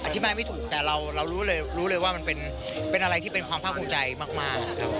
อธิบายไม่ถูกแต่เรารู้เลยรู้เลยว่ามันเป็นอะไรที่เป็นความภาคภูมิใจมากครับ